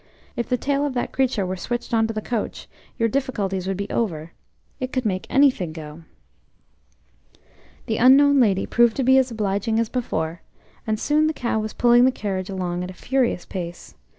If the tail of that creature were switched on to the coach, your difficulties would be over. It could make anything go!" The unknown lady proved to be as obliging as before, and soon the cow was pulling the carriage along at a furious pace.